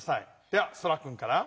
ではそらくんから。